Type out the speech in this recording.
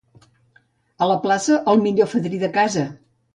A la plaça, el millor fadrí de casa.